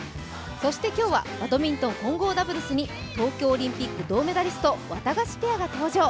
そして今日はバドミントン混合ダブルスに東京オリンピック銅メダリストワタガシペアが登場。